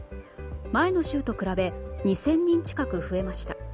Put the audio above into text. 前の週と比べ２０００人近く増えました。